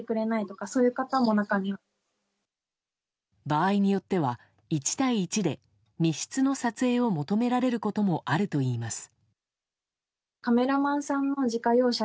場合によっては、１対１で密室の撮影を求められることもあるといいます。